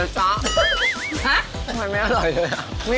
ทำไมไม่อร่อยเลย